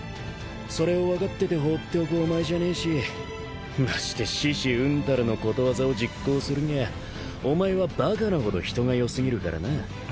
それを分かってて放っておくお前じゃねえしまして獅子うんたらのことわざを実行するにゃあお前はバカなほど人が良すぎるからな。